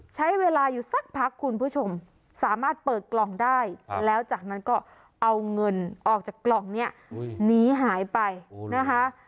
ใช้เวลาอยู่สักพักคุณผู้ชมสามารถเปิดกล่องได้แล้วจากนั้นก็เอาเงินออกจากกล่องเนี่ยหนีหายไปนะคะ